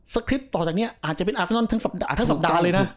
คริปต์ต่อจากนี้อาจจะเป็นอาเซนอนทั้งสัปดาห์เลยนะ